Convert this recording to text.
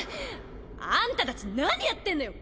あんたたち何やってんのよ。